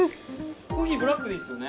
コーヒーブラックでいいっすよね？